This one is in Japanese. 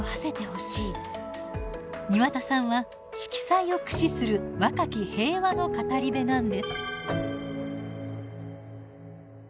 庭田さんは色彩を駆使する若き平和の語り部なんです。